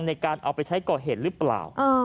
ในการเอาไปใช้ก่อเหตุหรือเปล่า